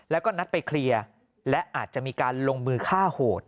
แล้วก็นัดไปเคลียร์และอาจจะมีการลงมือฆ่าโหด